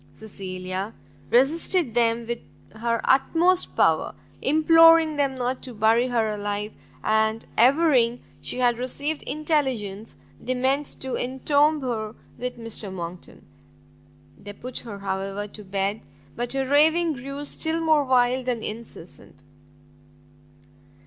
Cecilia resisted them with her utmost power, imploring them not to bury her alive, and averring she had received intelligence they meant to entomb her with Mr Monckton. They put her, however, to bed, but her raving grew still more wild and incessant.